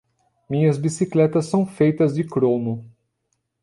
Minhas bicicletas são feitas de cromo.